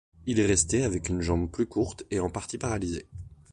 Il est resté avec une jambe plus courte et en partie paralysée.